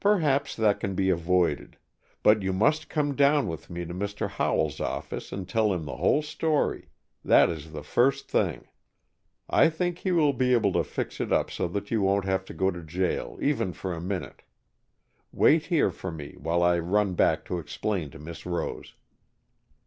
"Perhaps that can be avoided. But you must come down with me to Mr. Howell's office and tell him the whole story. That is the first thing. I think he will be able to fix it up so that you won't have to go to jail even for a minute. Wait here for me while I run back to explain to Miss Rose."